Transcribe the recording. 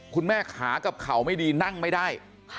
คุณแม่ขากับเข่าไม่ดีนั่งไม่ได้